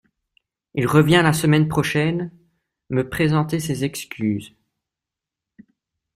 il revient la semaine prochaine me présenter ses excuses